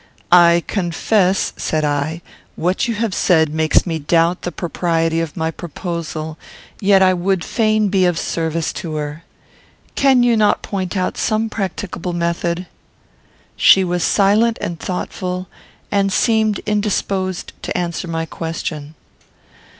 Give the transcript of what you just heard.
"I confess," said I, "what you have said makes me doubt the propriety of my proposal; yet I would fain be of service to her. Cannot you point out some practicable method?" She was silent and thoughtful, and seemed indisposed to answer my question.